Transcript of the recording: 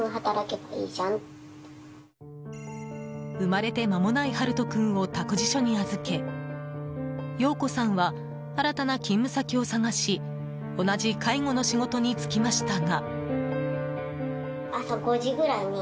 産まれて間もないはるとくんを託児所に預け洋子さんは新たな勤務先を探し同じ介護の仕事に就きましたが。